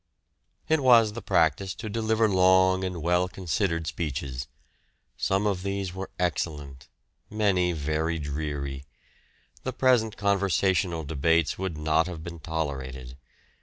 It was the practice to deliver long and well considered speeches. Some of these were excellent, many very dreary. The present conversational debates would not have been tolerated.